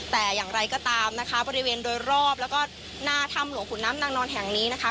แต่อย่างไรก็ตามนะคะบริเวณโดยรอบแล้วก็หน้าถ้ำหลวงขุนน้ำนางนอนแห่งนี้นะคะ